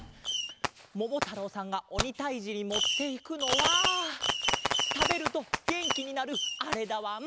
ももたろうさんがおにたいじにもっていくのはたべるとげんきになるあれだわん。